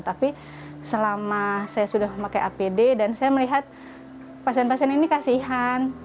tapi selama saya sudah pakai apd dan saya melihat pasien pasien ini kasihan